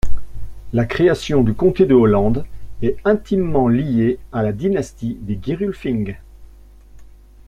La création du comté de Hollande est intimement liée à la dynastie des Gerulfing.